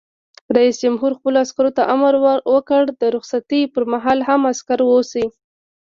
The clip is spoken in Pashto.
رئیس جمهور خپلو عسکرو ته امر وکړ؛ د رخصتۍ پر مهال هم، عسکر اوسئ!